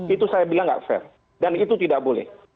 itu saya bilang nggak fair dan itu tidak boleh